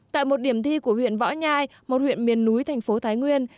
tại một điểm thi của huyện võ nhai một huyện miền núi thành phố thái nguyên